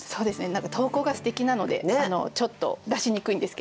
何か投稿がすてきなのでちょっと出しにくいんですけど。